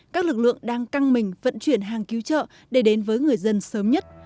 các lực lượng đang căng mình vận chuyển hàng cứu trợ để đến với người dân sớm nhất